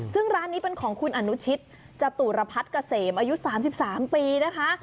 ซึ่งร้านนี้เป็นของคุณอนุชิตจตุรพัฒน์เกษมอายุ๓๓ปีนะคะ